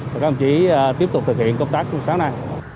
các ông chí tiếp tục thực hiện công tác trong sáng nay